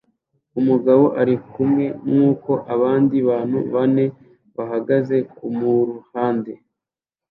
Umugabo arikumwe nkuko abandi bantu bane bahagaze kumuruhande